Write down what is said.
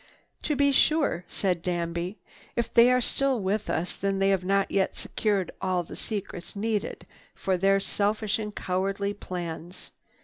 "To be sure," said Danby, "if they are still with us, then they have not yet secured all the secrets needed for their selfish and cowardly plans.